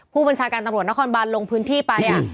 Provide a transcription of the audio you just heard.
ผู้บัญชาการตำรวจนครบานลงพื้นที่ไป